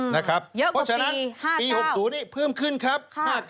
เพราะฉะนั้นปี๖๐นี้เพิ่มขึ้นครับ